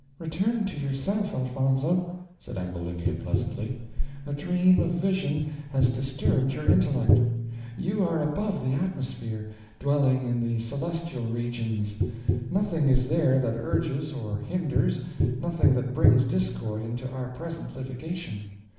"Return to yourself, Elfonzo," said Ambulinia, pleasantly: "a dream of vision has disturbed your intellect; you are above the atmosphere, dwelling in the celestial regions; nothing is there that urges or hinders, nothing that brings discord into our present litigation.